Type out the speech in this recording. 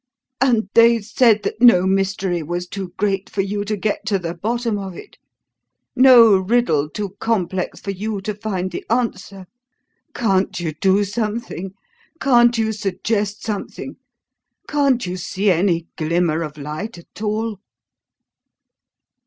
"And they said that no mystery was too great for you to get to the bottom of it, no riddle too complex for you to find the answer! Can't you do something? Can't you suggest something? Can't you see any glimmer of light at all?"